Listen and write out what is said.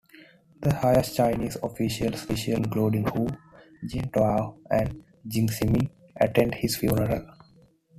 The highest Chinese officials, including Hu Jintao and Jiang Zemin, attended his funeral.